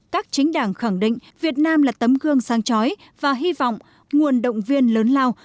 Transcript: các chính đảng khẳng định việt nam là tấm gương sang chói và hy vọng nguồn động viên lớn lao